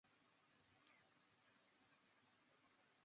现时的第三级为英甲。